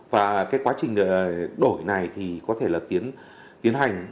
và cái quá trình đổi này thì có thể là tiến hành